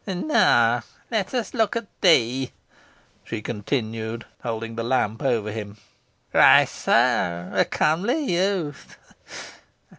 Ho! ho! And now, let us look at thee," she continued, holding the lamp over him. "Why, soh? a comely youth!